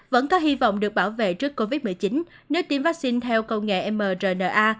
vẫn có hy vọng được bảo vệ trước covid một mươi chín nếu tiêm vaccine theo công nghệ mrna